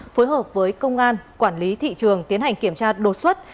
phối hợp với công an quản lý thị trường tiến hành kiểm tra đột xuất